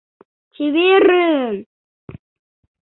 — Чевер-ы-ын!